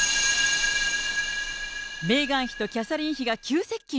メーガン妃とキャサリン妃が急接近？